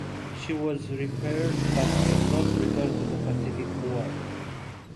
She was repaired, but did not return to the Pacific war.